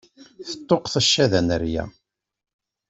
Teṭṭuqqet ccada n rrya.